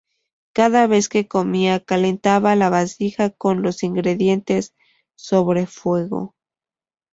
Cada vez que comía, calentaba la vasija con los ingredientes sobre fuego.